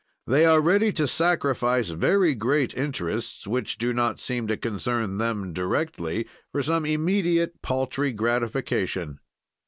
They are ready to sacrifice very great interests, which do not seem to concern them directly, for some immediate paltry gratification.